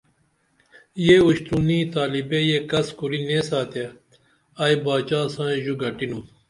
یہ اُرشترونی تالبے یہ کس کُری نیساں تے ائی باچا سائیں ژو گھٹینُم